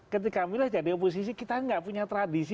ketika milih jadi oposisi kita nggak punya tradisi